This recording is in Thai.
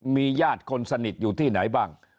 มีญาติคนสนิทอยู่ที่ไหนบ้าง